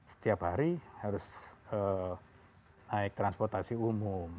setiap hari harus naik transportasi umum